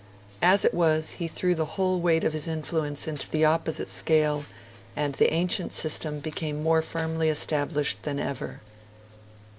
As it was, he threw the whole weight of his influence into the opposite scale, and the ancient system became more firmly established than ever.